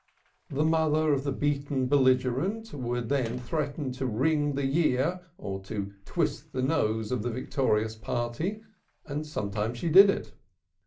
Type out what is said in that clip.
The mother of the beaten belligerent would then threaten to wring the "year," or to twist the nose of the victorious party sometimes she did it.